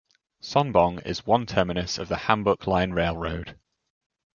Sonbong is one terminus of the Hambuk Line railroad.